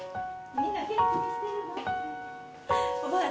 みんな元気にしてるの？